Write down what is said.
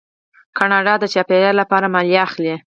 کاناډا د چاپیریال لپاره مالیه اخلي.